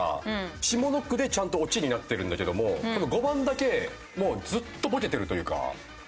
下の句でちゃんとオチになってるんだけどもでも５番だけもうずっとボケてるというか。